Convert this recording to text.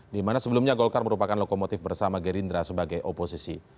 dimana sebelumnya golkar merupakan lokomotif bersama gerindra sebagai oposisi